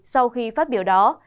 sau khi phát biểu đó